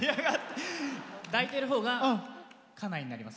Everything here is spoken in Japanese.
抱いてるほうが家内になります。